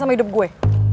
sama hidup gue